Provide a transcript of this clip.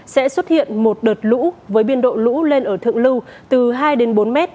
sẽ xuất hiện một đợt lũ với biên độ lũ lên ở thượng lưu từ hai đến bốn m